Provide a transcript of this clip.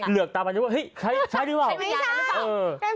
เหลือกตามอะไรจริงวะใช่รึเปล่า